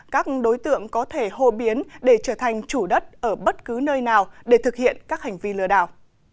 các đối tượng có thể hô biến để trở thành chủ đất ở bất cứ nơi nào để thực hiện các hành vi lừa đảo